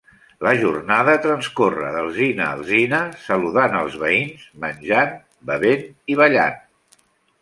La jornada transcorre d'alzina a alzina saludant els veïns, menjant, bevent i ballant.